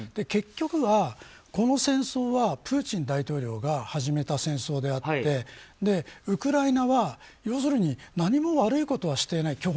結局はこの戦争はプーチン大統領が始めた戦争であってウクライナは要するに何も悪いことはしていない。